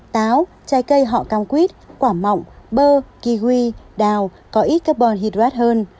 táo trái cây họ cam quýt quả mọng bơ kiwi đào có ít carbon hydrate hơn